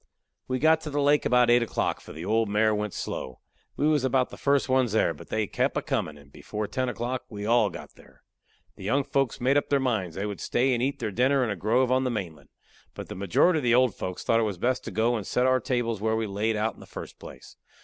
We got to the lake about eight o'clock, for the old mare went slow. We was about the first ones there, but they kep' a comin', and before ten o'clock we all got there. The young folks made up their minds they would stay and eat their dinner in a grove on the mainland. But the majority of the old folks thought it was best to go and set our tables where we laid out to in the first place.